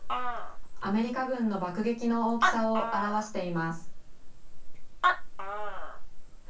アメリカ軍の爆撃の大きさを表しています。